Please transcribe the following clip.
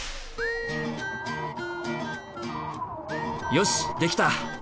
よしできた！